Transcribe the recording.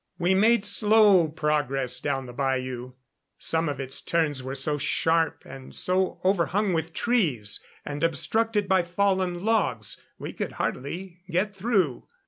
We made slow progress down the bayou. Some of its turns were so sharp and so overhung with trees, and obstructed by fallen logs, we could hardly get through.